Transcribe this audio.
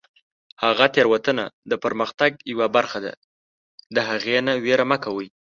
هره تیروتنه د پرمختګ یوه برخه ده، د هغې نه ویره مه کوئ.